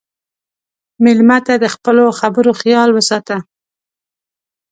مېلمه ته د خپلو خبرو خیال وساته.